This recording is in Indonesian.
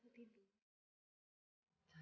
kamu ngapain disini